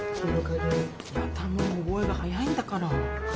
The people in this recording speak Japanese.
やだもう覚えが早いんだから。